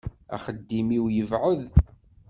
Axeddim-iw yebɛed.